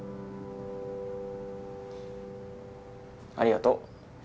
ありがとう。